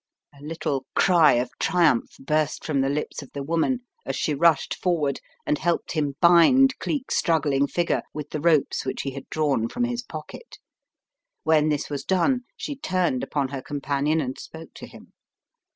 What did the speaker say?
A little cry of triumph burst from the lips of the woman as she rushed forward and helped him bind Cleek's struggling figure with the ropes which he had drawn from his pocket. When this was done, she turned upon her companion and spoke to him.